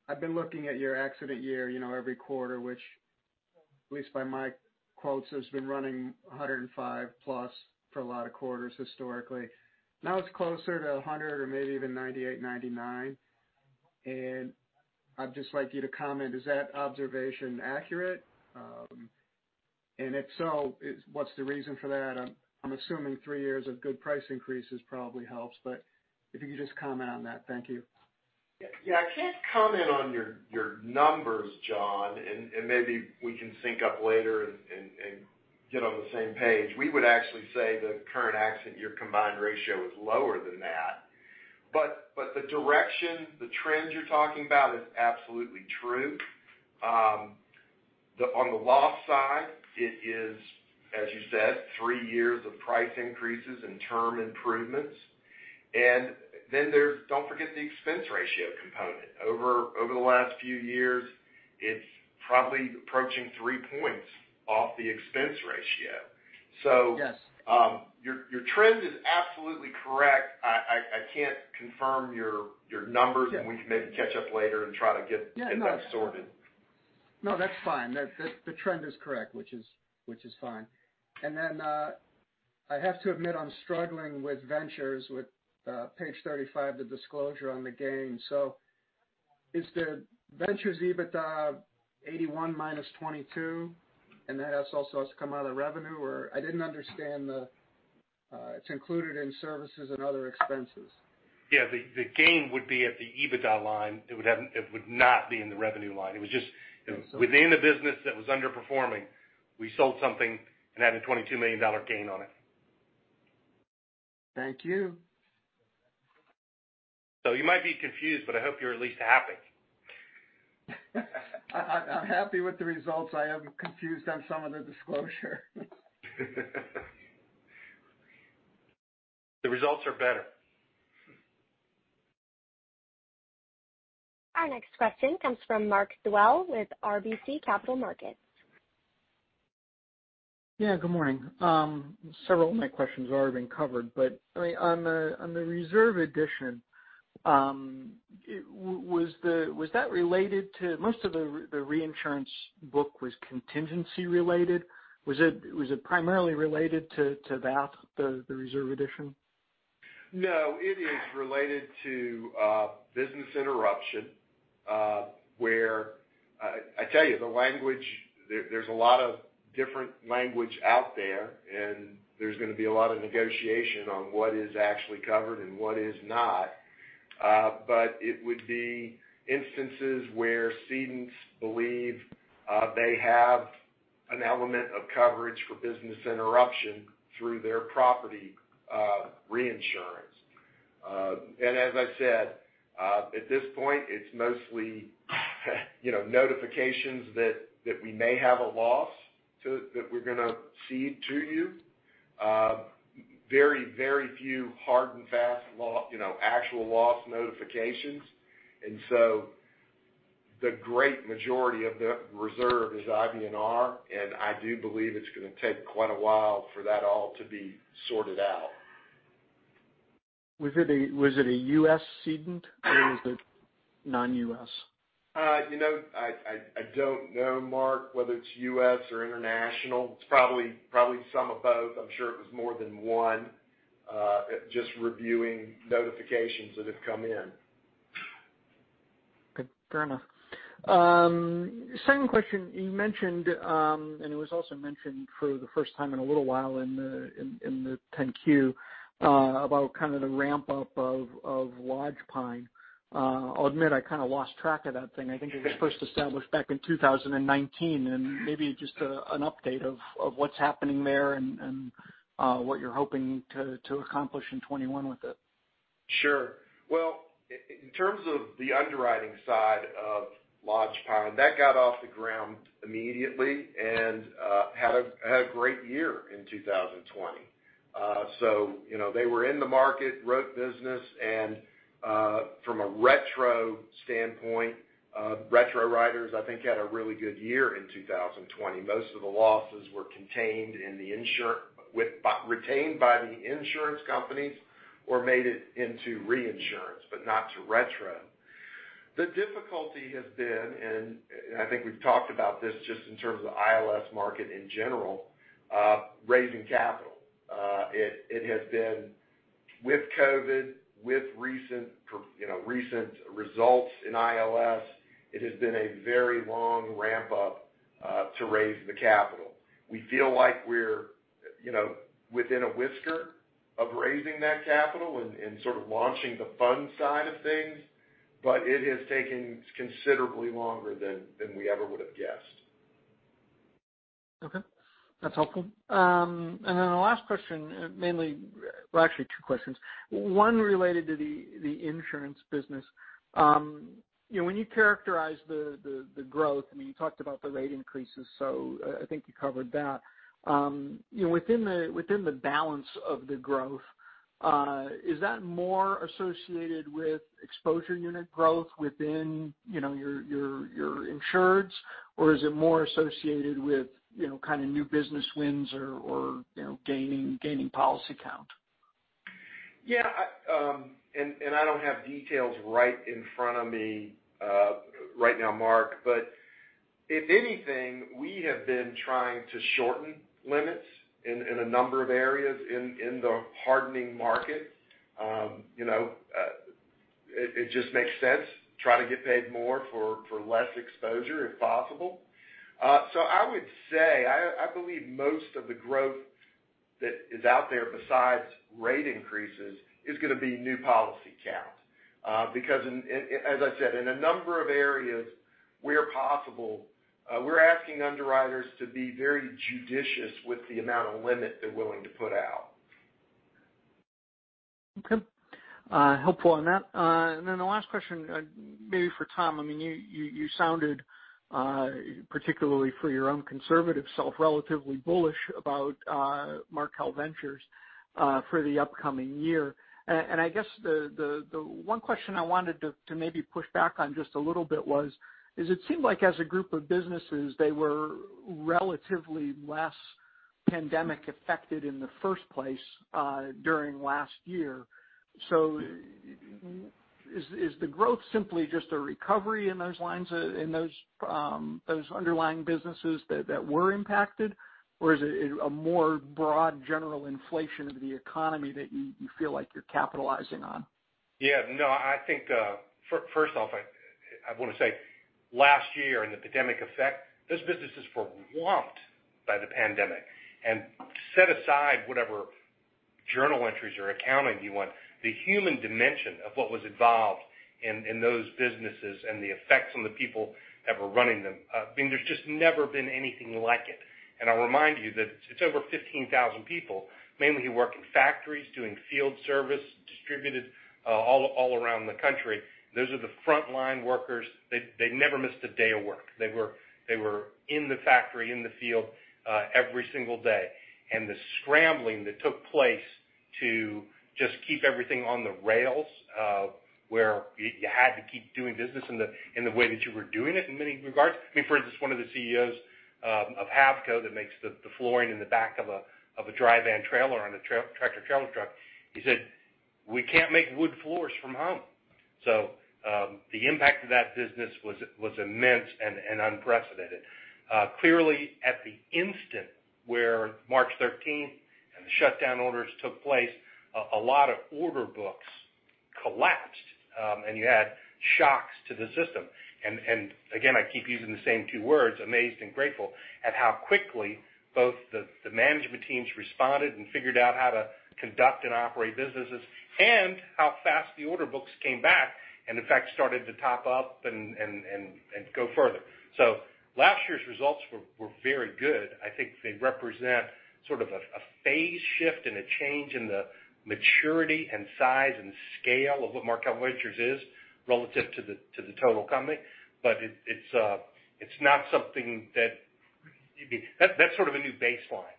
I've been looking at your accident year every quarter, which at least by my quotes, has been running 105+ for a lot of quarters historically. Now it's closer to 100 or maybe even 98, 99. I'd just like you to comment, is that observation accurate? If so, what's the reason for that? I'm assuming three years of good price increases probably helps, but if you could just comment on that. Thank you. Yeah. I can't comment on your numbers, John, and maybe we can sync up later and get on the same page. We would actually say the current accident year combined ratio is lower than that. The direction, the trend you're talking about is absolutely true. On the loss side, it is, as you said, three years of price increases and term improvements. Then don't forget the expense ratio component. Over the last few years, it's probably approaching three points off the expense ratio. Yes. Your trend is absolutely correct. I can't confirm your numbers. Yeah. We can maybe catch up later. Yeah, no. that sorted. No, that's fine. The trend is correct, which is fine. I have to admit, I'm struggling with Ventures, with page 35, the disclosure on the gain. Is the Ventures EBITDA $81 minus $22, and that also has to come out of revenue? It's included in services and other expenses. Yeah, the gain would be at the EBITDA line. It would not be in the revenue line. Okay Within a business that was underperforming. We sold something and had a $22 million gain on it. Thank you. You might be confused, but I hope you're at least happy. I'm happy with the results. I am confused on some of the disclosure. The results are better. Our next question comes from Mark Dwelle with RBC Capital Markets. Yeah, good morning. Several of my questions have already been covered, but on the reserve addition, most of the reinsurance book was contingency related. Was it primarily related to that, the reserve addition? No, it is related to business interruption. I tell you, there's a lot of different language out there, and there's going to be a lot of negotiation on what is actually covered and what is not. It would be instances where cedents believe they have an element of coverage for business interruption through their property reinsurance. As I said, at this point, it's mostly notifications that we may have a loss that we're going to cede to you. Very, very few hard and fast actual loss notifications. The great majority of the reserve is IBNR, and I do believe it's going to take quite a while for that all to be sorted out. Was it a U.S., cedent, or was it non-U.S.,? I don't know, Mark, whether it's U.S., or international. It's probably some of both. I'm sure it was more than one, just reviewing notifications that have come in. Good. Fair enough. Second question you mentioned, and it was also mentioned for the first time in a little while in the Form 10-Q, about kind of the ramp up of Lodgepine. I'll admit, I kind of lost track of that thing. I think it was first established back in 2019, and maybe just an update of what's happening there and what you're hoping to accomplish in 2021 with it. Sure. In terms of the underwriting side of Lodgepine, that got off the ground immediately and had a great year in 2020. They were in the market, wrote business, and from a retro standpoint, retro writers, I think, had a really good year in 2020. Most of the losses were retained by the insurance companies or made it into reinsurance, but not to retro. The difficulty has been, and I think we've talked about this just in terms of the ILS market in general, raising capital. With COVID, with recent results in ILS, it has been a very long ramp-up to raise the capital. We feel like we're within a whisker of raising that capital and sort of launching the fund side of things, but it has taken considerably longer than we ever would have guessed. Okay. That's helpful. The last question, well, actually two questions. One related to the insurance business. When you characterize the growth, you talked about the rate increases, I think you covered that. Within the balance of the growth, is that more associated with exposure unit growth within your insureds, or is it more associated with kind of new business wins or gaining policy count? Yeah. I don't have details right in front of me right now, Mark. If anything, we have been trying to shorten limits in a number of areas in the hardening market. It just makes sense. Try to get paid more for less exposure if possible. I would say, I believe most of the growth that is out there besides rate increases is going to be new policy count. As I said, in a number of areas where possible, we're asking underwriters to be very judicious with the amount of limit they're willing to put out. Okay. Helpful on that. The last question, maybe for Tom. You sounded, particularly for your own conservative self, relatively bullish about Markel Ventures for the upcoming year. I guess the one question I wanted to maybe push back on just a little bit was, is it seemed like as a group of businesses, they were relatively less pandemic affected in the first place during last year. Is the growth simply just a recovery in those underlying businesses that were impacted, or is it a more broad general inflation of the economy that you feel like you're capitalizing on? First off, I want to say last year and the pandemic effect, this business is for want by the pandemic. Set aside whatever journal entries or accounting you want, the human dimension of what was involved in those businesses and the effects on the people that were running them, there's just never been anything like it. I'll remind you that it's over 15,000 people, mainly who work in factories, doing field service, distributed all around the country. Those are the frontline workers. They never missed a day of work. They were in the factory, in the field every single day. The scrambling that took place to just keep everything on the rails, where you had to keep doing business in the way that you were doing it in many regards. For instance, one of the CEOs of Havco that makes the flooring in the back of a dry van trailer on a tractor-trailer truck, he said, "We can't make wood floors from home." The impact of that business was immense and unprecedented. Clearly at the instant where March 13th and the shutdown orders took place, a lot of order books collapsed. You had shocks to the system. Again, I keep using the same two words, amazed and grateful at how quickly both the management teams responded and figured out how to conduct and operate businesses, and how fast the order books came back, and in fact, started to top up and go further. Last year's results were very good. I think they represent sort of a phase shift and a change in the maturity and size and scale of what Markel Ventures is relative to the total company. That's sort of a new baseline.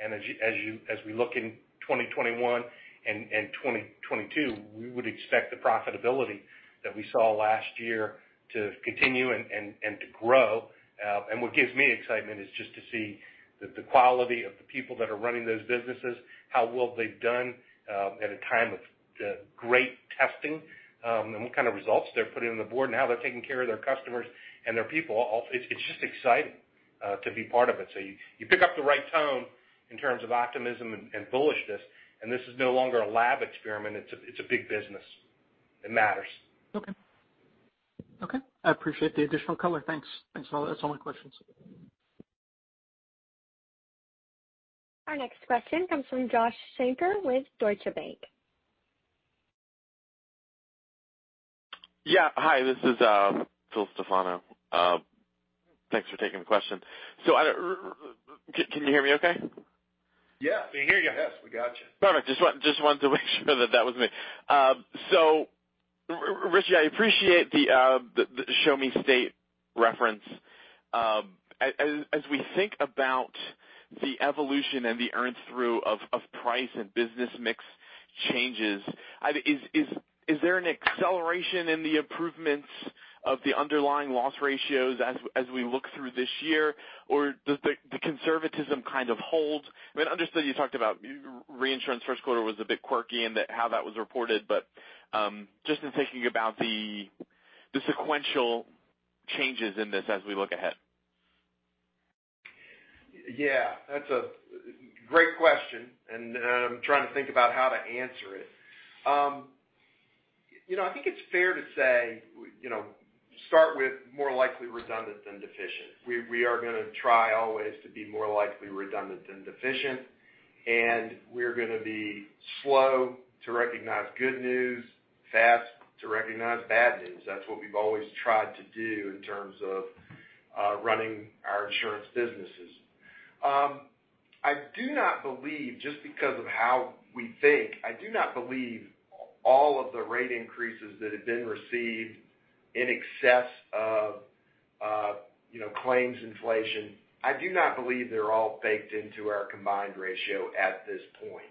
As we look in 2021 and 2022, we would expect the profitability that we saw last year to continue and to grow. What gives me excitement is just to see the quality of the people that are running those businesses, how well they've done at a time of great testing, and what kind of results they're putting on the board, and how they're taking care of their customers and their people. It's just exciting to be part of it. You pick up the right tone in terms of optimism and bullishness, and this is no longer a lab experiment. It's a big business. It matters. Okay. I appreciate the additional color. Thanks. That's all my questions. Our next question comes from Josh Shanker with Deutsche Bank. Yeah. Hi, this is Phil Stefano. Thanks for taking the question. Can you hear me okay? Yeah, we can hear you. Yes, we got you. Perfect. Just wanted to make sure that that was me. Richie, I appreciate the show me state reference. As we think about the evolution and the earn through of price and business mix changes, is there an acceleration in the improvements of the underlying loss ratios as we look through this year? Or does the conservatism kind of hold? I understand you talked about reinsurance first quarter was a bit quirky and how that was reported, but just in thinking about the sequential changes in this as we look ahead. Yeah, that's a great question, and I'm trying to think about how to answer it. I think it's fair to say, start with more likely redundant than deficient. We are going to try always to be more likely redundant than deficient, and we're going to be slow to recognize good news, fast to recognize bad news. That's what we've always tried to do in terms of running our insurance businesses. Just because of how we think, I do not believe all of the rate increases that have been received in excess of claims inflation. I do not believe they're all baked into our combined ratio at this point.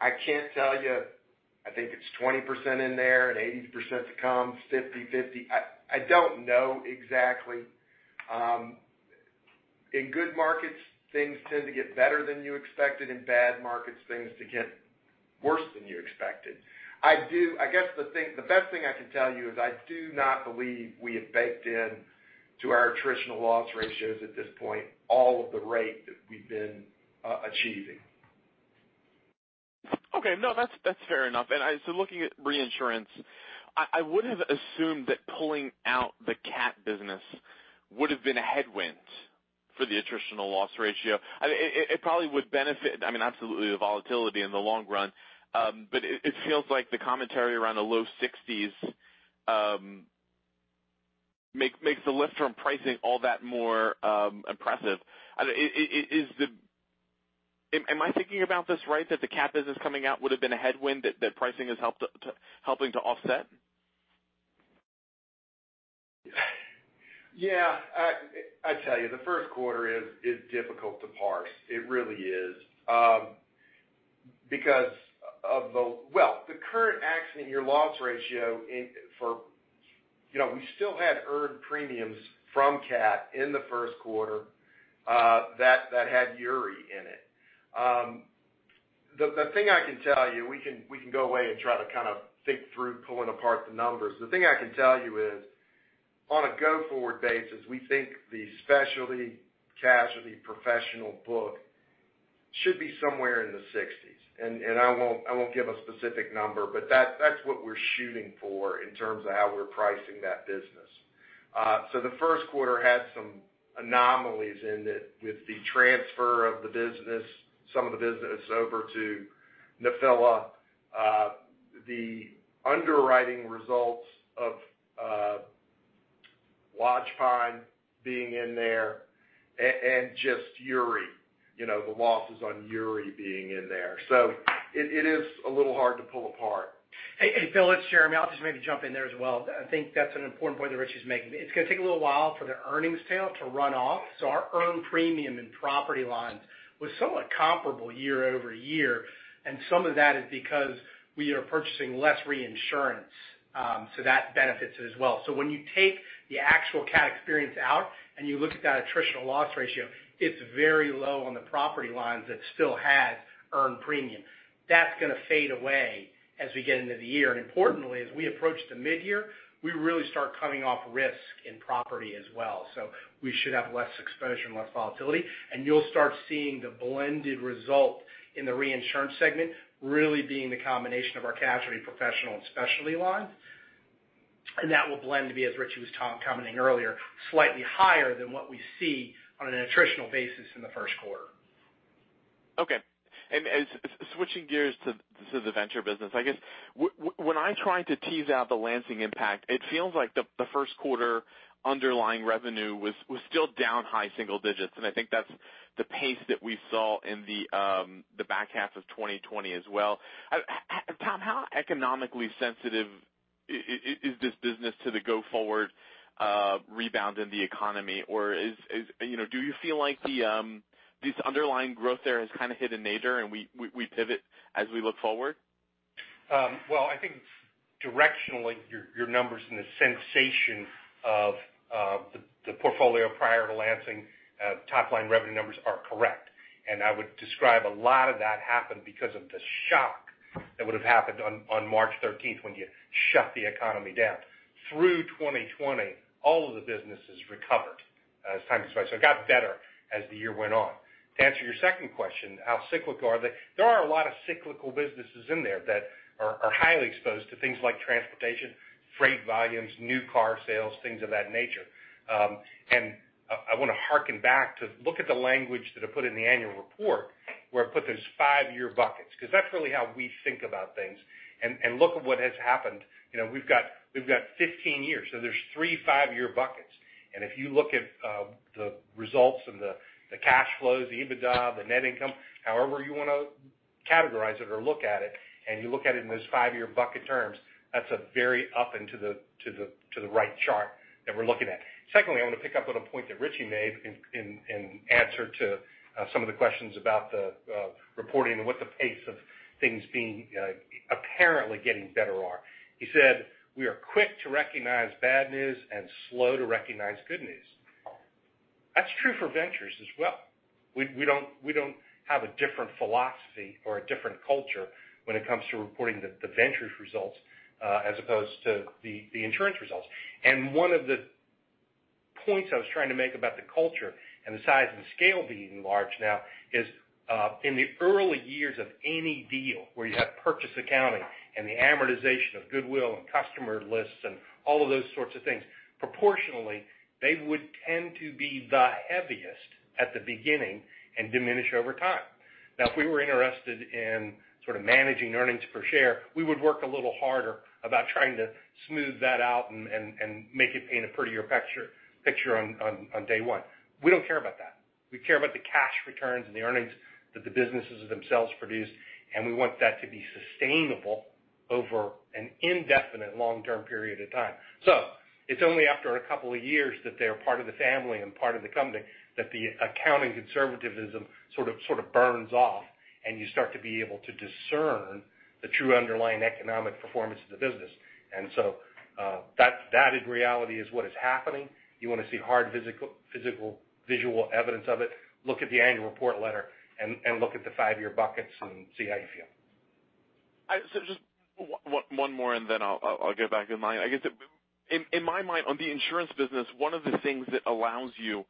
I can't tell you, I think it's 20% in there and 80% to come, 50/50. I don't know exactly. In good markets, things tend to get better than you expected. In bad markets, things tend to get worse than you expected. I guess the best thing I can tell you is I do not believe we have baked in to our attritional loss ratios at this point all of the rate that we've been achieving. Okay. No, that's fair enough. Looking at reinsurance, I would have assumed that pulling out the cat business would have been a headwind for the attritional loss ratio. It probably would benefit, absolutely the volatility in the long run. It feels like the commentary around the low 60s makes the lift from pricing all that more impressive. Am I thinking about this right? That the cat business coming out would have been a headwind that pricing is helping to offset? Yeah. I tell you, the first quarter is difficult to parse. It really is. The current accident year loss ratio, we still had earned premiums from cat in the first quarter that had Uri in it. The thing I can tell you, we can go away and try to think through pulling apart the numbers. The thing I can tell you is, on a go-forward basis, we think the specialty casualty professional book should be somewhere in the 60s. I won't give a specific number, but that's what we're shooting for in terms of how we're pricing that business. The first quarter had some anomalies in it with the transfer of the business, some of the business over to Nephila. The underwriting results of Lodgepine being in there and just Uri, the losses on Uri being in there. It is a little hard to pull apart. Hey, Phil, it's Jeremy. I'll just maybe jump in there as well. I think that's an important point that Richie is making. It's going to take a little while for the earnings tail to run off. Our earned premium in property lines was somewhat comparable year-over-year, and some of that is because we are purchasing less reinsurance, so that benefits it as well. When you take the actual cat experience out and you look at that attritional loss ratio, it's very low on the property lines that still had earned premium. That's going to fade away as we get into the year. Importantly, as we approach the mid-year, we really start coming off risk in property as well. We should have less exposure and less volatility, and you'll start seeing the blended result in the reinsurance segment really being the combination of our casualty professional and specialty lines. That will blend to be, as Richie was commenting earlier, slightly higher than what we see on an attritional basis in the first quarter. Okay. Switching gears to the venture business, I guess, when I try to tease out the Lansing impact, it feels like the first quarter underlying revenue was still down high single digits, and I think that's the pace that we saw in the back half of 2020 as well. Tom, how economically sensitive is this business to the go-forward rebound in the economy? Or do you feel like this underlying growth there has kind of hit a nadir, and we pivot as we look forward? Well, I think directionally, your numbers and the sensation of the portfolio prior to Lansing top-line revenue numbers are correct. I would describe a lot of that happened because of the shock that would've happened on March 13th when you shut the economy down. Through 2020, all of the businesses recovered as time progressed. It got better as the year went on. To answer your second question, how cyclical are they? There are a lot of cyclical businesses in there that are highly exposed to things like transportation, freight volumes, new car sales, things of that nature. I want to harken back to look at the language that I put in the annual report where I put those five-year buckets, because that's really how we think about things and look at what has happened. We've got 15 years, there's three five-year buckets. If you look at the results and the cash flows, the EBITDA, the net income, however you want to categorize it or look at it, and you look at it in those five-year bucket terms, that's a very up and to the right chart that we're looking at. Secondly, I want to pick up on a point that Richie made in answer to some of the questions about the reporting and what the pace of things being apparently getting better are. He said, "We are quick to recognize bad news and slow to recognize good news." That's true for Ventures as well. We don't have a different philosophy or a different culture when it comes to reporting the Ventures results as opposed to the insurance results. One of the points I was trying to make about the culture and the size and scale being large now is in the early years of any deal where you have purchase accounting and the amortization of goodwill and customer lists and all of those sorts of things, proportionally, they would tend to be the heaviest at the beginning and diminish over time. If we were interested in sort of managing earnings per share, we would work a little harder about trying to smooth that out and make it paint a prettier picture on day one. We don't care about that. We care about the cash returns and the earnings that the businesses themselves produce, and we want that to be sustainable over an indefinite long-term period of time. It's only after a couple of years that they're part of the family and part of the company that the accounting conservativism sort of burns off, and you start to be able to discern the true underlying economic performance of the business. That in reality is what is happening. You want to see hard visual evidence of it, look at the annual report letter and look at the five-year buckets and see how you feel. Just one more, and then I'll get back in line. I guess in my mind, on the insurance business, one of the things that allows you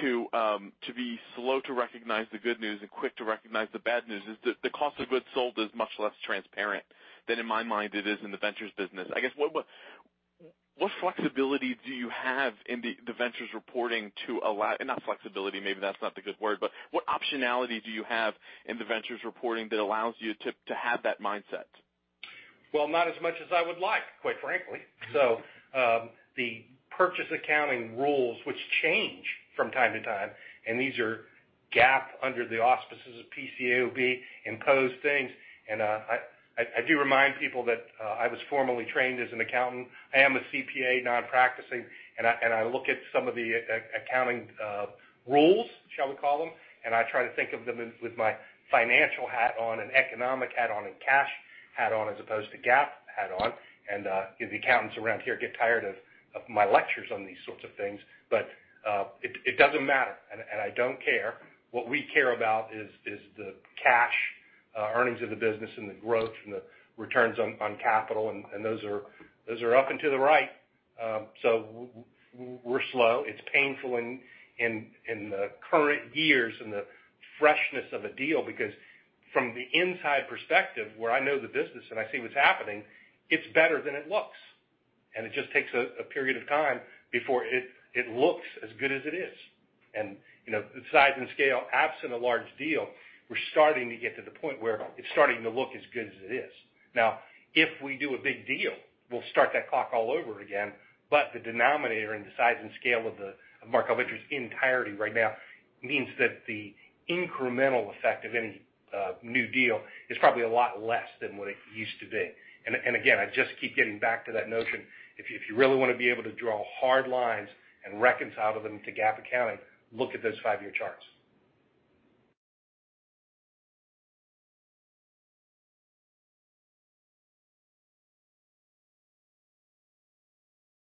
to be slow to recognize the good news and quick to recognize the bad news is that the cost of goods sold is much less transparent than in my mind it is in the ventures business. I guess, what flexibility do you have in the ventures reporting, not flexibility, maybe that's not the good word, but what optionality do you have in the ventures reporting that allows you to have that mindset? Well, not as much as I would like, quite frankly. The purchase accounting rules, which change from time to time, and these are GAAP under the auspices of PCAOB imposed things. I do remind people that I was formally trained as an accountant. I am a CPA, non-practicing, and I look at some of the accounting rules, shall we call them, and I try to think of them with my financial hat on and economic hat on and cash hat on as opposed to GAAP hat on. The accountants around here get tired of my lectures on these sorts of things. It doesn't matter, and I don't care. What we care about is the cash earnings of the business and the growth and the returns on capital, and those are up and to the right. We're slow. It's painful in the current years, in the freshness of a deal, because from the inside perspective, where I know the business and I see what's happening, it's better than it looks. It just takes a period of time before it looks as good as it is. The size and scale, absent a large deal, we're starting to get to the point where it's starting to look as good as it is. Now, if we do a big deal, we'll start that clock all over again. The denominator and the size and scale of Markel Ventures' entirety right now means that the incremental effect of any new deal is probably a lot less than what it used to be. Again, I just keep getting back to that notion, if you really want to be able to draw hard lines and reconcile them to GAAP accounting, look at those five-year charts.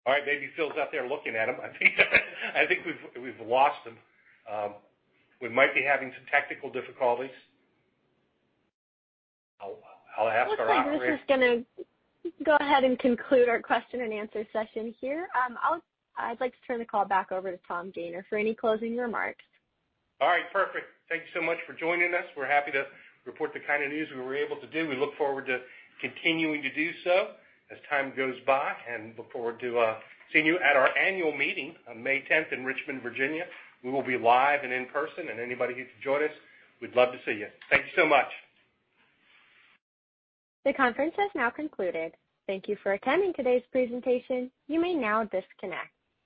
All right. Maybe Phil's out there looking at them, I think. I think we've lost him. We might be having some technical difficulties. I'll ask our operator. Looks like this is going to go ahead and conclude our question and answer session here. I'd like to turn the call back over to Tom Gayner for any closing remarks. All right. Perfect. Thank you so much for joining us. We're happy to report the kind of news we were able to do. We look forward to continuing to do so as time goes by, and look forward to seeing you at our annual meeting on May 10th in Richmond, Virginia. We will be live and in person, and anybody who can join us, we'd love to see you. Thank you so much. The conference has now concluded. Thank you for attending today's presentation. You may now disconnect.